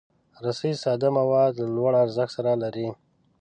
رسۍ ساده مواد له لوړ ارزښت سره لري.